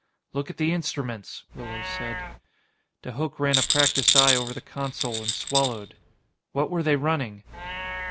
"Look at the instruments," Willows said. De Hooch ran a practiced eye over the console and swallowed. "What were they running?"